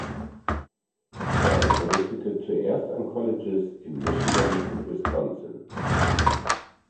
Er unterrichtete zuerst an Colleges in Michigan und Wisconsin.